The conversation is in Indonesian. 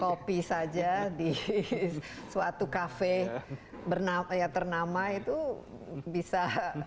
kopi saja di suatu kafe ternama itu bisa